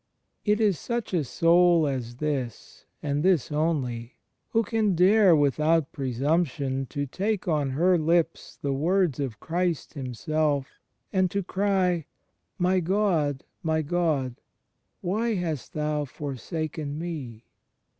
It is such a soul as this, and this only, who can dare without presumption to take on her lips the words of Christ Himself, and to cry, "My God, my God, why hast Thou forsaken me?